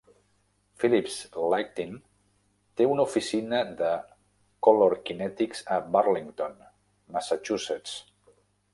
Philips Lighting té una oficina de Color Kinetics a Burlington, Massachusetts.